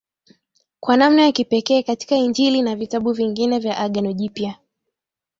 kwa namna ya kipekee katika Injili na vitabu vingine vya Agano Jipya